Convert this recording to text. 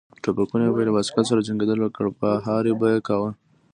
ټوپکونه به یې له بایسکل سره جنګېدل او کړپهار به یې کاوه.